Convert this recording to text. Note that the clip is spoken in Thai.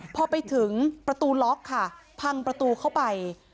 พอไปถึงประตูล็อกค่ะพังประตูเข้าไป